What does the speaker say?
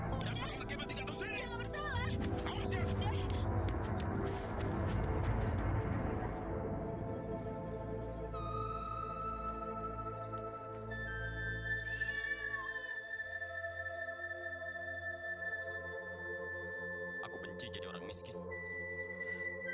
kamu kenapa nangis terus